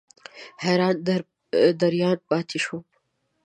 حیران دریان پاتې شوم.